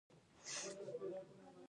ډيپلومات د هیواد هویت نړېوالو ته ور پېژني.